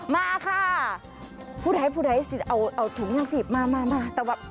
มาค่ะผู้ใดเอาถุงยังสีบมาตะวับ